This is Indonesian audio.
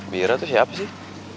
bira tuh siapa sih